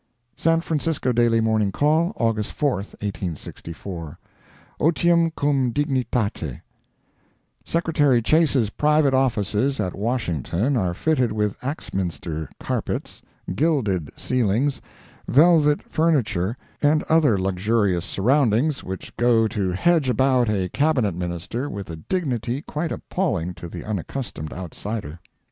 The San Francisco Daily Morning Call, August 4, 1864 OTIUM CUM DIGNITATE Secretary Chase's private offices at Washington are fitted with Axminster carpets, gilded ceilings, velvet furniture, and other luxurious surroundings which go to hedge about a Cabinet Minister with a dignity quite appalling to the unaccustomed outsider.